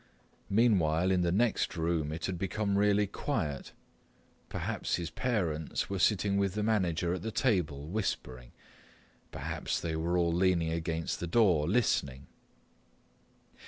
Meanwhile in the next room it had become really quiet. Perhaps his parents were sitting with the manager at the table whispering; perhaps they were all leaning against the door listening.